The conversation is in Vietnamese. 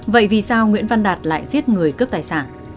vậy vì sao nguyễn văn đạt lại giết người cướp tài sản